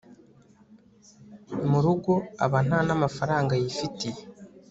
murugo aba ntanamafaranga yifitiye